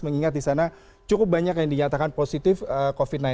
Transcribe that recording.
mengingat di sana cukup banyak yang dinyatakan positif covid sembilan belas